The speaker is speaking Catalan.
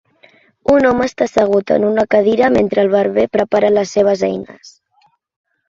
Un home està assegut en una cadira mentre el barber prepara les seves eines.